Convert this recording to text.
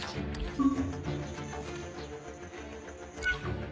うん。